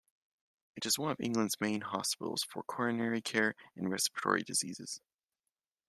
It is one of England's main hospitals for coronary care and respiratory diseases.